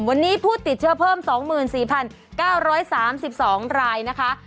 วันนี้ผู้ติดเชื้อเพิ่ม๒๔๙๓๒รายนะคะ